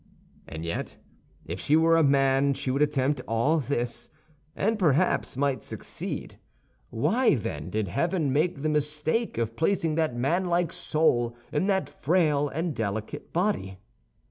And yet, if she were a man she would attempt all this, and perhaps might succeed; why, then, did heaven make the mistake of placing that manlike soul in that frail and delicate body?